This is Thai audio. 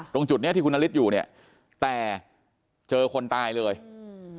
ตรงจุดเนี้ยที่คุณนฤทธิอยู่เนี้ยแต่เจอคนตายเลยอืม